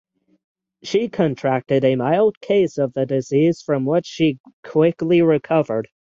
She contracted a mild case of the disease from which she quickly recovered.